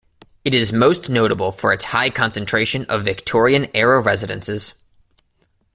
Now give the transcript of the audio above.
It is most notable for its high concentration of Victorian era residences.